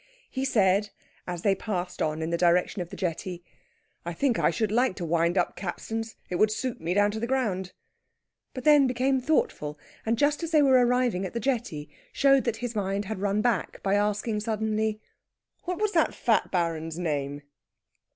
He said, as they passed on in the direction of the jetty, "I think I should like to wind up capstans. It would suit me down to the ground." But then became thoughtful; and, just as they were arriving at the jetty, showed that his mind had run back by asking suddenly, "What was the fat Baron's name?"